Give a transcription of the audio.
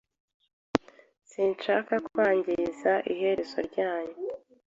Sinshaka kwangiza iherezo ryanyu.